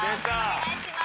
お願いします。